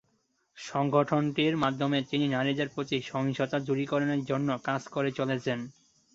সংগঠনটির মাধ্যমে তিনি নারীদের প্রতি সহিংসতা দূরীকরণের জন্য কাজ করে চলেছেন।